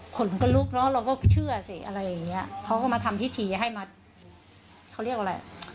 คนมันก็ลุกเนอะเราก็เชื่อสิอะไรอย่างเงี้ยเขาก็มาทำพิธีให้มาเขาเรียกอะไร